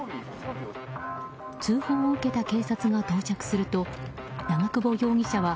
通報を受けた警察が到着すると長久保容疑者は。